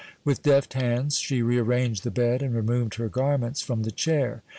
With deft hands she rearranged the bed and removed her garments from the chair.